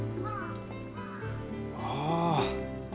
ああ！